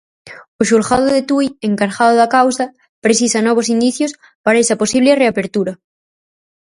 O xulgado de Tui encargado da causa precisa novos indicios para esa posible reapertura.